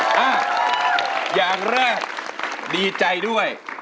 อ่ะอย่างแรกดีใจด้วย